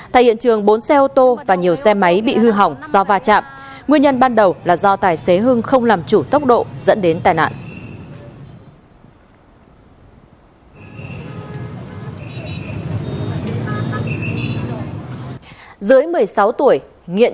tại hiện trường bốn xe ô tô và nhiều xe máy bị hư hỏng do va chạm nguyên nhân ban đầu là do tài xế hưng không làm chủ tốc độ dẫn đến tai nạn